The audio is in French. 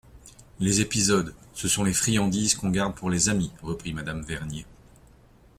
Les épisodes ! ce sont les friandises qu'on garde pour les amis, reprit madame Vernier.